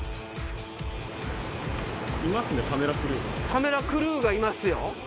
カメラクルーがいますよ。